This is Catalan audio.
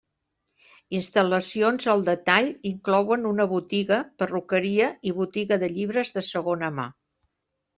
Instal·lacions al detall inclouen una botiga, perruqueria i botiga de llibres de segona mà.